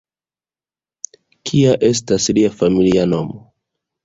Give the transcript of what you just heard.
Kia estas lia familinomo?